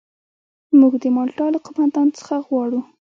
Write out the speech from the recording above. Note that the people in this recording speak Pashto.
موږ د مالټا له قوماندان څخه غواړو.